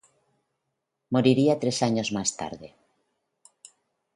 Moriría tres años más tarde.